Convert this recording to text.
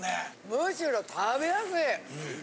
むしろ食べやすい！